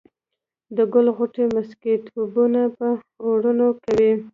د ګل غوټو مسكيتوبونه به اورونه کوي